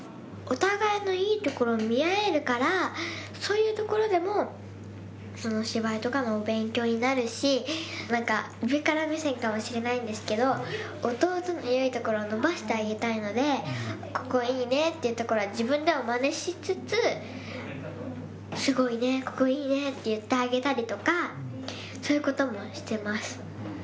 お互いのいいところを見合えるから、そういうところでも芝居とかのお勉強になるし、なんか、上から目線かもしれないんですけど、弟のいいところを伸ばしてあげたいので、ここいいねっていうところは、自分でもまねしつつ、すごいね、ここいいねって言ってあげたりとか、そういうこともしてます。